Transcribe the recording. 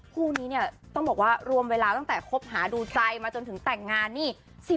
คู่นี้เนี่ยต้องบอกว่ารวมเวลาตั้งแต่คบหาดูใจมาจนถึงแต่งงานนี่